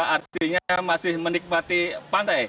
artinya masih menikmati pantai